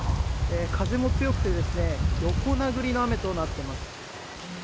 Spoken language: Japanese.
風も強くてですね、横殴りの雨となっています。